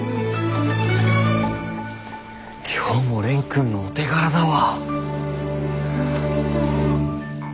今日も蓮くんのお手柄だわ。